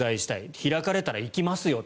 開かれたら行きますよと。